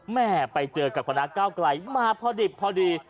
แม่ไปเจอกับคณะก้าวไกลมาพอดิบพอดี